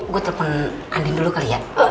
gue telepon andi dulu kalian